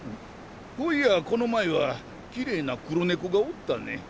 ほういやこの前はきれいな黒猫がおったね。